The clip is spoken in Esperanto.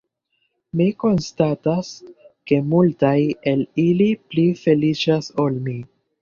Mi konstatas ke multaj el ili pli feliĉas ol mi.